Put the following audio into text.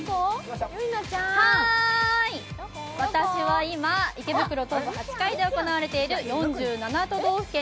私は今、池袋東武８階で行われている４７都道府県